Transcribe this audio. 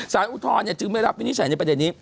อุทธรณ์จึงไม่รับวินิจฉัยในประเด็นนี้